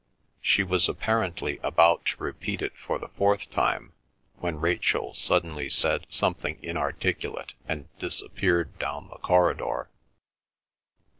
She was apparently about to repeat it for the fourth time, when Rachel suddenly said something inarticulate, and disappeared down the corridor.